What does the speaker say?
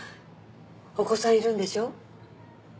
お子さんいるんでしょ